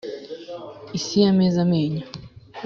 isi yameze amenyo